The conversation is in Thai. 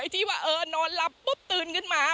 ที่ว่านอนหลับปุ๊บตื่นขึ้นมา